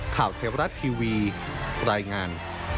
ข่าวเทวรัฐทีวีรายงาน